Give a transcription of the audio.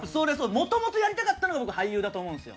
もともとやりたかったのが俳優だと思うんですよ。